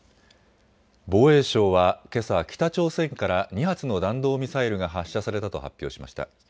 防衛省はけさ、北朝鮮から２発の弾道ミサイルが発射されたと発表しました。